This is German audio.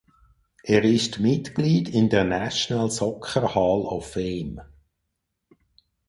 Er ist Mitglied in der National Soccer Hall of Fame.